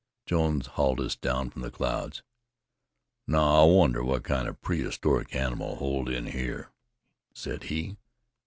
Jones hauled us down from the clouds. "Now, I wonder what kind of a prehistoric animal holed in here?" said he.